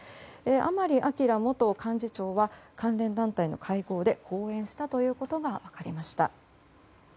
甘利明元幹事長は関連団体の会合で講演したということが分かりました。